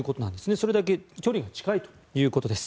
それだけ距離が近いということです。